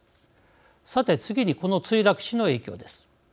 さて次にこの墜落死の影響です。